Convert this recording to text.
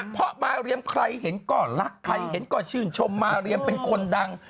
เพราะมาเรียมใครเห็นก็รักใครเห็นก็ชื่นชมมาเรียมเป็นคนดัง